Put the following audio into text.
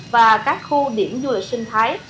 và các khu điểm du lịch sinh thái